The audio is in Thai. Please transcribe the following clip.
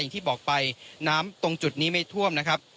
ที่บอกไปน้ำตรงจุดนี้ไม่ท่วมนะครับ